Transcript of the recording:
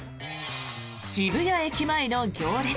渋谷駅前の行列。